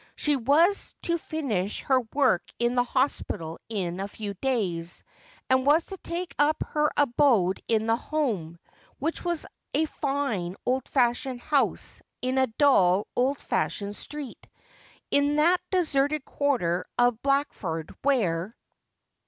She was to finish her work in the hospital in a few days, and was to take up her abode in the Home, which was a fine, old fashioned house, in a dull. old fashioned street; in that deserted quarter of Blackford where.